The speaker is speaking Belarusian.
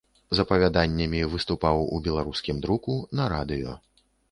З апавяданнямі выступаў у беларускім друку, на радыё.